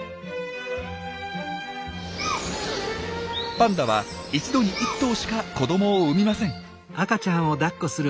パンダは１度に１頭しか子どもを産みません。